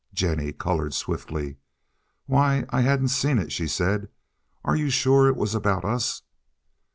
Jennie colored swiftly. "Why, I hadn't seen it," she said. "Are you sure it was about us?"